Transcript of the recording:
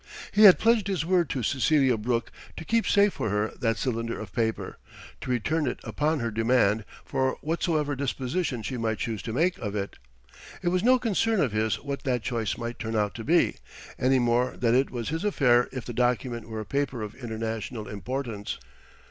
He had pledged his word to Cecelia Brooke to keep safe for her that cylinder of paper, to return it upon her demand for whatsoever disposition she might choose to make of it. It was no concern of his what that choice might turn out to be, any more than it was his affair if the document were a paper of international importance.